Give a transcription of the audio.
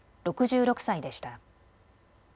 ６６歳でした。